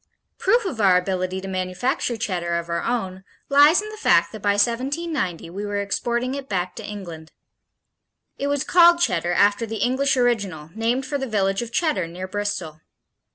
Proof of our ability to manufacture Cheddar of our own lies in the fact that by 1790 we were exporting it back to England. It was called Cheddar after the English original named for the village of Cheddar near Bristol.